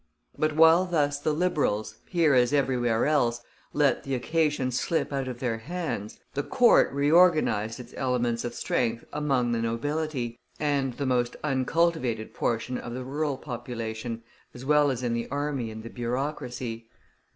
But while thus the Liberals, here as everywhere else, let the occasion slip out of their hands, the Court reorganized its elements of strength among the nobility, and the most uncultivated portion of the rural population, as well as in the army and the bureaucracy.